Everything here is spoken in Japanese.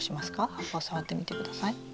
葉っぱを触ってみてください。